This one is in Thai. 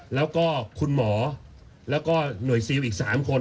แล้วก็คุณหมอแล้วก็หน่วยซิลอีก๓คน